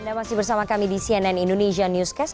anda masih bersama kami di cnn indonesia newscast